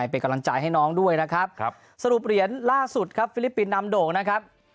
เป็นกำลังใจให้น้องด้วยนะครับสรุปเหรียญล่าสุดครับฟิลิปปินส์นำโด่งนะครับ